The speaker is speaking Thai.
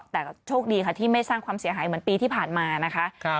แต่โชคดีค่ะที่ไม่สร้างความเสียหายเหมือนปีที่ผ่านมานะคะ